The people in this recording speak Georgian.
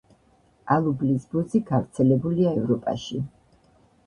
ალუბლის ბუზი გავრცელებულია ევროპაში.